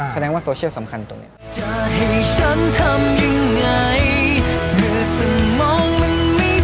แสดงว่าโซเชียลสำคัญตรงนี้